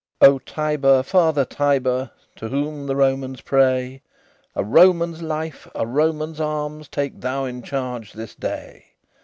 LVIX "Oh, Tiber! Father Tiber! To whom the Romans pray, A Roman's life, a Roman's arms, Take thou in charge this day!"